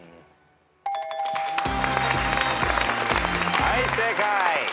はい正解。